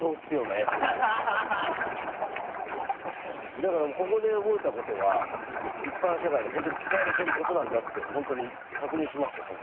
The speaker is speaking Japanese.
だからここで覚えたことは一般社会で本当に使われていることなんだって本当に確認しましたその時。